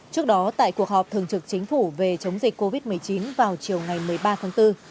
trước đó tại cuộc họp thường trực chính phủ về chống dịch covid một mươi chín vào chiều ngày một mươi ba tháng bốn